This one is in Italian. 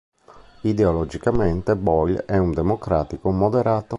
Ideologicamente Boyle è un democratico moderato.